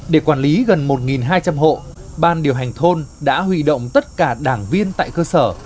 để quản lý gần một hai trăm linh hộ ban điều hành thôn đã huy động tất cả đảng viên tại cơ sở